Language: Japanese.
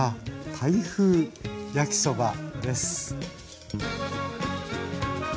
タイ風焼きそばです。